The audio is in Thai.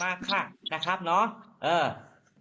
มาค่ะนะครับเนาะเหร่ะ